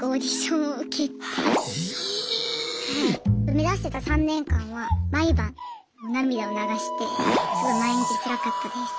目指してた３年間は毎晩涙を流してすごい毎日つらかったです。